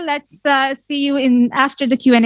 kita akan berjumpa lagi setelah sesi qna